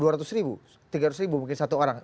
dua ratus ribu tiga ratus ribu mungkin satu orang